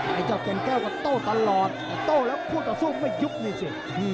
ไอ้เจ้าเก่งแก้วกับโต๊ะตลอดโต๊ะแล้วพูดกับสู้ไม่ยุบนี่สิ